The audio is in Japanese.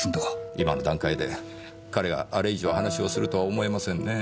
今の段階で彼があれ以上話をするとは思えませんねぇ。